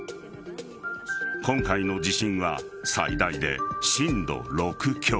今回の地震は最大で震度６強。